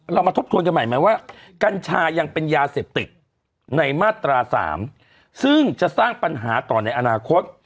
เรามาทบทวนกันใหม่ไหมว่ากัญชายังเป็นยาเสพติดในมาตรา๓ซึ่งจะสร้างปัญหาต่อในอนาคต